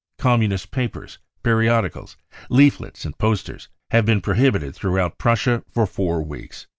Communist papers, periodicals, leaflets and posters have been pro hibited throughout Prussia for four weeks.